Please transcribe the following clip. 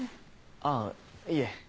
あぁいえ。